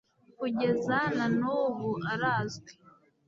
kugeza na n'ubu arazwi